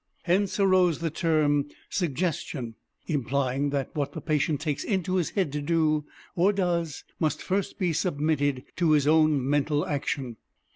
Hence arose the term Suggestion, implying that what the patient takes into his head to do, or does, must first be submitted to his own mental action.